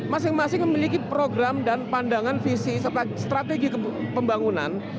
masing masing memiliki program dan pandangan visi strategi pembangunan